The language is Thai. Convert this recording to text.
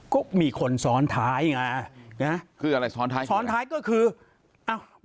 ก็มีคนซ้อนท้ายไงคืออะไรซ้อนท้ายซ้อนท้ายก็คืออ้าว